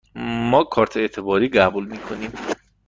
ما کارت اعتباری قبول می کنیم.